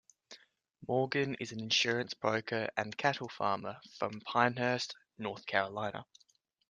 Morgan is an insurance broker and cattle farmer from Pinehurst, North Carolina.